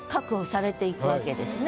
されていくわけですね。